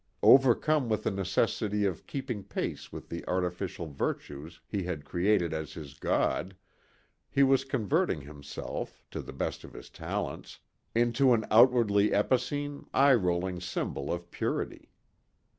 Overcome with the necessity of keeping pace with the artificial virtues he had created as his God, he was converting himself, to the best of his talents, into an outwardly epicene, eye rolling symbol of purity.